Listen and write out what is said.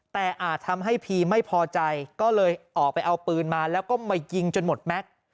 แต่อาจทำให้พีไม่พอใจก็เลยออกไปเอาปืนมาแล้วก็มายิงจนหมดแม็กซ์